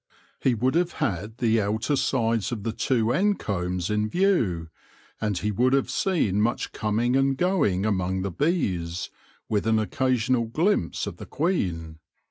He would have had the outer sides of the two end combs in view, and he would have seen much coming and going among the bees, with an occasional glimpse of the queen.